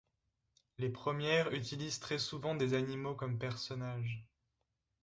Les premières utilisent très souvent des animaux comme personnages.